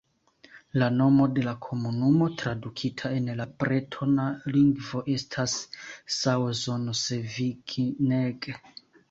La nomo de la komunumo tradukita en la bretona lingvo estas "Saozon-Sevigneg".